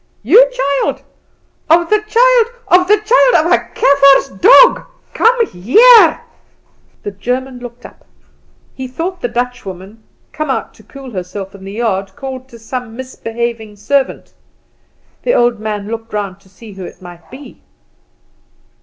"You child, of the child, of the child of a Kaffer's dog, come here!" The German looked up. He thought the Dutchwoman, come out to cool herself in the yard, called to some misbehaving servant. The old man looked round to see who it might be.